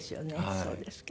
そうですか。